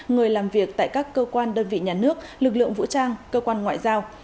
người làm việc tại các cơ quan đơn vị nhà nước lực lượng vũ trang cơ quan ngoại giao